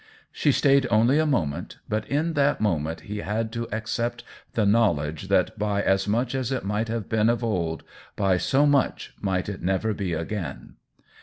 She stayed only a moment, but in that moment he had to ac cept the knowledge that by as much as it might have been of old, by so much might it never be again.